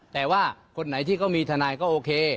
แต่ว่าคนไหนที่เขามีทนายก็โอเค